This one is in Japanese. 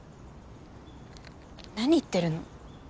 何言ってるの？